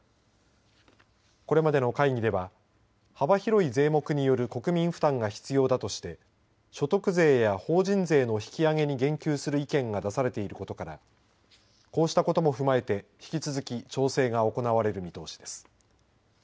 これまでの会議では幅広い税目による国民負担が必要だとして所得税や法人税の引き上げに言及する意見が出されていることからこうしたことも踏まえて引き続き調整が行われる見通しです。